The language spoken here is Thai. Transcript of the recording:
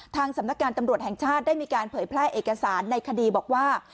สำนักงานตำรวจแห่งชาติได้มีการเผยแพร่เอกสารในคดีบอกว่า